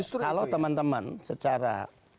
kalau teman teman secara